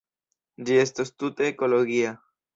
Ĝi estos tute ekologia.